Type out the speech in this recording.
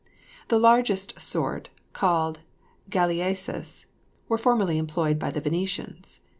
The largest sort, called galleasses, were formerly employed by the Venetians.